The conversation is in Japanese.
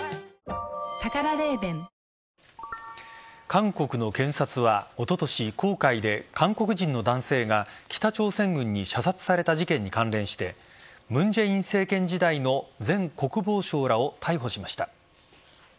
韓国の検察はおととし黄海で韓国人の男性が北朝鮮軍に射殺された事件に関連して文在寅政権時代の前国防相らを逮捕しました。